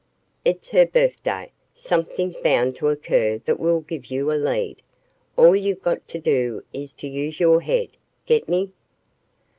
It's her birthday. Something's bound to occur that will give you a lead. All you've got to do is to use your head. Get me?"